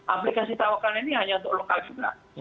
aplikasi tawakal ini hanya untuk lokal juga